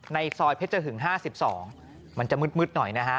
ในซอยเพชรหึง๕๒มันจะมืดหน่อยนะฮะ